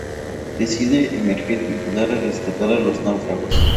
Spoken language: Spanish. Decide emerger y ayudar a rescatar a los náufragos.